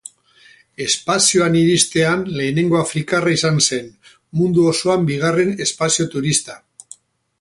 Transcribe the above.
Espazioan iristean lehenengo afrikarra izan zen, mundu osoan bigarren espazio-turista.